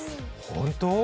本当？